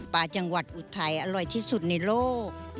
จังหวัดอุทัยอร่อยที่สุดในโลก